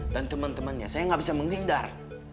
dan temen temennya saya gak bisa menghindar